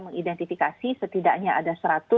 mengidentifikasi setidaknya ada